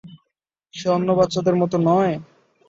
সে অন্য বাচ্চাদের মতো নয়?